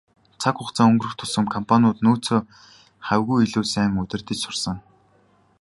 Цаг хугацаа өнгөрөх тусам компаниуд нөөцөө хавьгүй илүү сайн удирдаж сурсан.